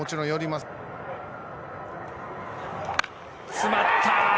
詰まった！